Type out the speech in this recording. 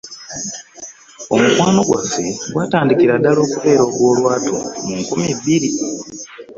Omukwano gwaffe gwatandikira ddala okubeera ogw'olwatu mu nkumi bbiri